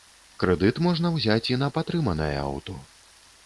Крэдыт можна ўзяць і на патрыманае аўто.